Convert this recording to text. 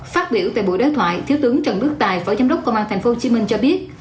phát biểu tại buổi đối thoại thiếu tướng trần đức tài phó giám đốc công an tp hcm cho biết